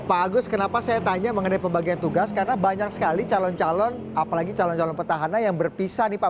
pak agus kenapa saya tanya mengenai pembagian tugas karena banyak sekali calon calon apalagi calon calon petahana yang berpisah nih pak